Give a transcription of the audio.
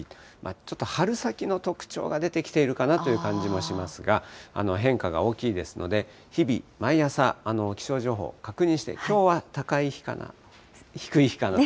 ちょっと春先の特徴が出てきているかなという感じもしますが、変化が大きいですので、日々、毎朝、気象情報、確認して、きょうは高い日かな、低い日かなと。